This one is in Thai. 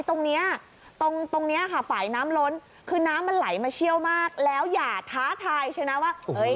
ตรงนี้ฝ่ายน้ำล้นคือน้ำมันไหลมาเชี่ยวมากแล้วอย่าท้าทายใช่ไหมว่า